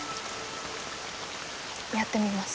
やってみます。